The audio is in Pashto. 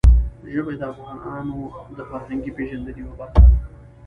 ژبې د افغانانو د فرهنګي پیژندنې یوه برخه ده.